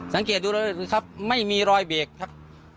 สังเกตดูเลยครับไม่มีลอยเบรกครับ